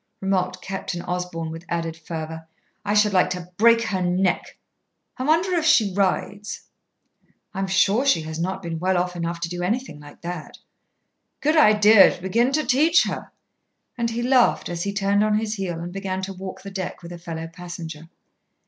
remarked Captain Osborn with added fervour. "I should like to break her neck! I wonder if she rides?" "I'm sure she has not been well enough off to do anything like that." "Good idea to begin to teach her." And he laughed as he turned on his heel and began to walk the deck with a fellow passenger.